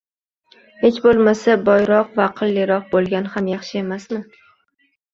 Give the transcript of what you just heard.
Hech boʻlmasa boyroq va aqlliroq boʻlgan ham yaxshi emasmi?